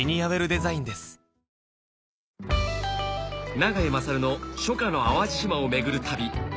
永井大の初夏の淡路島を巡る旅